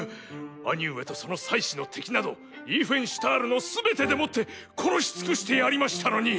兄上とその妻子の敵などリーフェンシュタールの全てでもって殺し尽くしてやりましたのに！